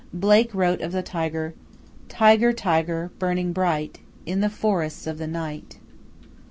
Blake wrote of the tiger: "Tiger, tiger, burning bright In the forests of the night."